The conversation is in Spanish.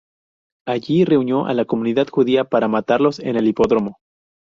Allí reunió a la comunidad judía para matarlos en el hipódromo.